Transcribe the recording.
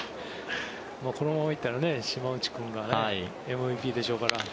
このまま行ったら島内君がＭＶＰでしょうから。